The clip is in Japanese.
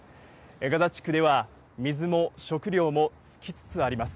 ガザ地区では水も食料も尽きつつあります。